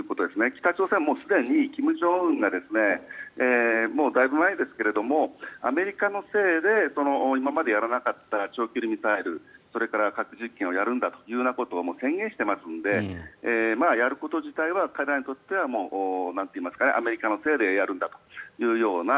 北朝鮮はすでに金正恩がだいぶ前ですけれどもアメリカのせいで今までやらなかった長距離ミサイル、それから核実験をやるんだということを宣言していますのでやること自体は彼らにとってはアメリカのせいでやるんだというような